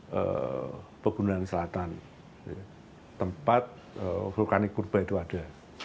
di tempat yang selatan tempat vulkanik kurba itu ada